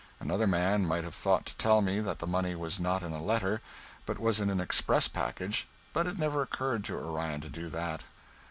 Another man might have thought to tell me that the money was not in a letter, but was in an express package, but it never occurred to Orion to do that.